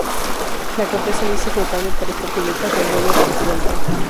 La corteza lisa es notable por estar cubierta por polvo parecido al talco.